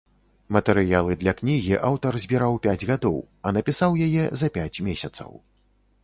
Матэрыялы для кнігі аўтар збіраў пяць гадоў, а напісаў яе за пяць месяцаў.